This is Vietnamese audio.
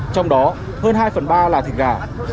trong đó hơn hai phần ba là thịt gà